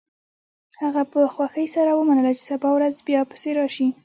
هغه په خوښۍ سره ومنله چې سبا ورځ بیا پسې راشي